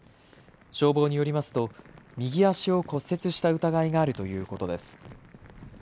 消防によりますと右足を骨折した疑いがあるということです。